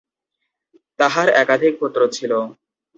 তাঁহার একাধিক পুত্র ছিল।